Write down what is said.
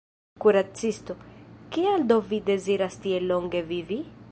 Kuracisto: “Kial do vi deziras tiel longe vivi?